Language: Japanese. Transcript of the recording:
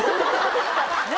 何？